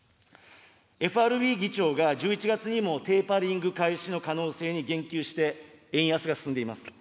ＦＲＢ議長が、１１月にもテーパリング開始の可能性に言及して、円安が進んでいます。